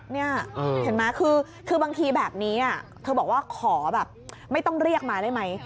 นี่เห็นไหมคือบางทีแบบนี้เธอบอกว่าขอแบบไม่ต้องเรียกมาได้ไหม